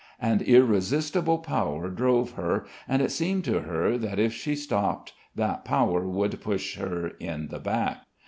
An irresistible power drove her, and it seemed to her that if she stopped that power would push her in the back.